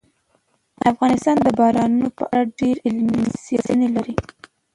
افغانستان د بارانونو په اړه ډېرې علمي څېړنې لري.